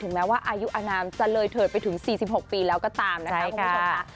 ถึงแม้ว่าอายุอนามจะเลยเถิดไปถึง๔๖ปีแล้วก็ตามนะคะ